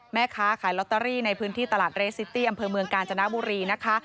แม่ค้าขายลอตเตอรี่ในพื้นที่ตลาดเรซิตี้อำเภอเมืองกาญจนบุรีนะคะ